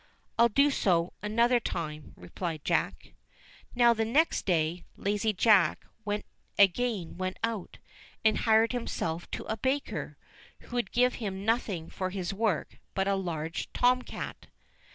"I'll do so another time," replied Jack. j Now the next day, Lazy Jack again went out, and hired ' himself to a baker, who would give him nothing for his work j but a large tom cat.